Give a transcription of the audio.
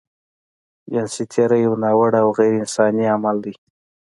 جنسي تېری يو ناوړه او غيرانساني عمل دی.